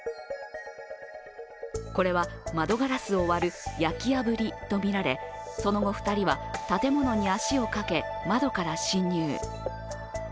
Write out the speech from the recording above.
これは、窓ガラスを割る焼き破りとみられその後、２人は建物に足をかけ窓から侵入。